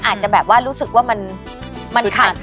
อาจจะแบบว่ารู้สึกว่ามันขาด